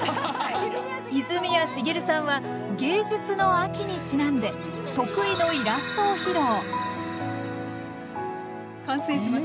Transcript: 泉谷しげるさんは芸術の秋にちなんで得意のイラストを披露完成しました。